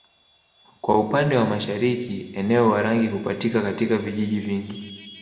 Kwa upande wa mashariki eneo Warangi hupatika katika vijiji vingi